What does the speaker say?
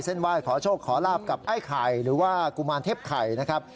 ไหว้ขอโชคขอลาบกับไอ้ไข่หรือว่ากุมารเทพไข่นะครับ